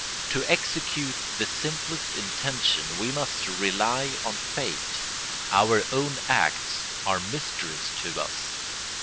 To execute the simplest intention we must rely on fate: our own acts are mysteries to us.